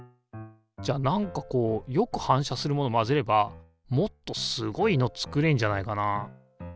じゃあなんかこうよく反射するもの混ぜればもっとすごいの作れんじゃないかな。